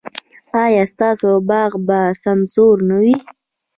ایا ستاسو باغ به سمسور نه وي؟